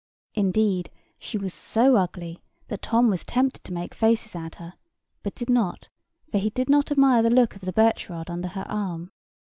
Indeed, she was so ugly that Tom was tempted to make faces at her: but did not; for he did not admire the look of the birch rod under her arm.